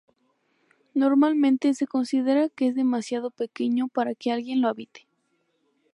Normalmente se considera que es demasiado pequeño para que alguien lo habite.